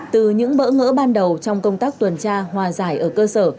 từ những bỡ ngỡ ban đầu trong công tác tuần tra hòa giải ở cơ sở